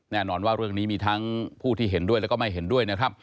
แน่นอนว่าเรื่องนี้มีทั้งผู้ที่เห็นด้วยแล้วก็ไม่เห็นด้วยนะครับ